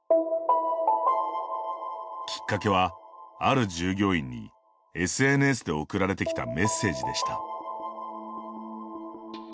きっかけは、ある従業員にＳＮＳで送られてきたメッセージでした。